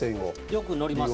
よく乗りますね。